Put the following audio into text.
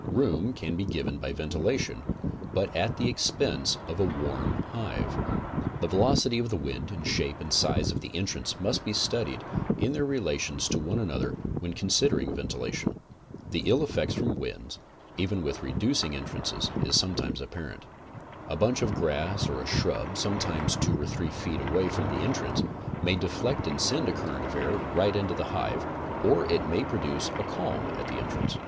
Room can be given by ventilation but at the expense of a warm hive. The velocity of the wind and shape and size of the entrance must be studied in their relations to one another when consider ing ventilation. The ill effects from winds, even with reduced en trances, is sometimes apparent. A bunch of grass or a shrub, sometimes two or three feet away from the entrance may deflect and send a current of air right into the hive, or it may produce a calm at the entrance.